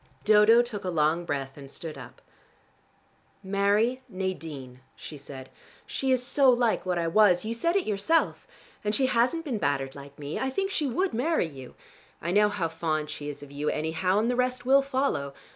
Dodo took a long breath and stood up. "Marry Nadine," she said. "She is so like what I was: you said it yourself. And she hasn't been battered like me. I think she would marry you. I know how fond she is of you, anyhow, and the rest will follow.